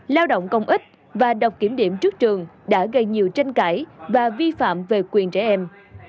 lao động công ích và đọc kiểm điểm trước trường đã gây nhiều tranh cãi và vi phạm về quyền trẻ em